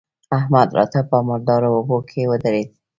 احمد راته په مردارو اوبو کې ودرېد.